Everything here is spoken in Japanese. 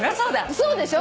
そうでしょ？